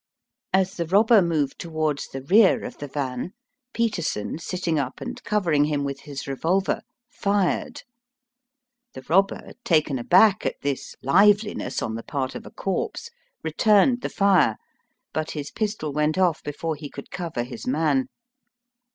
As the robber moved towards the rear of the van, Peterson, sitting up and covering him Digitized by VjOOQIC 64 EAST BY WEST. with his revolver, fired. The robber, taken aback at this liveliness on the part of a corpse, returned the fire, but his pistol went off before he could cover his man.